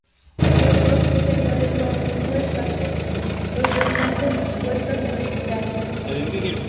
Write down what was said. Los dos exteriores son opuestas, los restantes dispuestas en espiral.